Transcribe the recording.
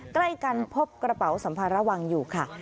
ใกล้กันพบกระเป๋าสัมภาระวังอยู่ค่ะ